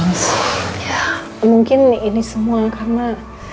ya mungkin ini semua karena